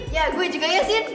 ya gue juga ya sini